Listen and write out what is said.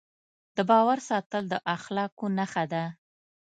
د باور ساتل د اخلاقو نښه ده.